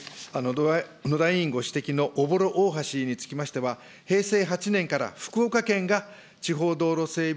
野田委員ご指摘の朧大橋につきましては、平成８年から福岡県が地方道路整備